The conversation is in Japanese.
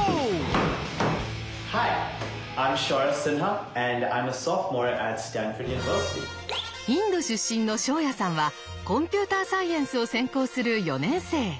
一体インド出身のショーヤさんはコンピューターサイエンスを専攻する４年生。